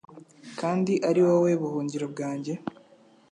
kandi ari wowe buhungiro bwanjye